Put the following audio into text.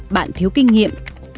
bạn thiếu kinh nghiệm